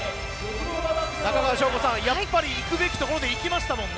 中川翔子さん、やはり行くべきところで行きましたね。